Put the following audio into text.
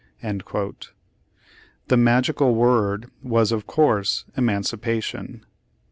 The magical word was of course emancipation.